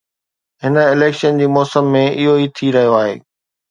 هن اليڪشن جي موسم ۾ اهو ئي ٿي رهيو آهي.